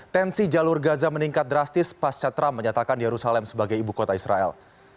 tensi jalur gaza meningkat drastis pasca trump menyatakan yerusalem sebagai ibu kota israel